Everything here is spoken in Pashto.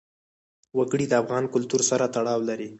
وګړي د افغان کلتور سره تړاو لري.